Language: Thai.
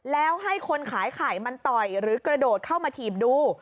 แล้วให้คนขายไข่มันต่อยหรือกระโดดเข้ามาถีบดู